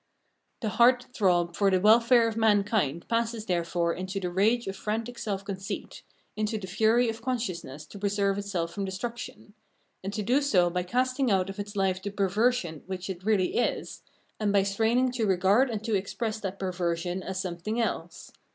The heart throb for the welfare of mankind passes therefore into the rage of frantic self conceit, into the fuiy of consciousness to preserve itself from destruction ; and to do so by casting out of its hfe the perversion which it really is, and by straining to regard and to express that perversion as something else.